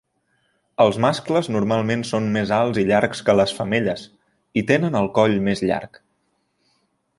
Els mascles normalment són més alts i llargs que les femelles, i tenen el coll més llarg.